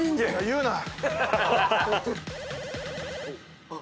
言うな。